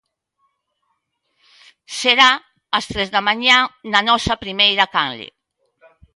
Será ás tres da mañá na nosa primeira canle.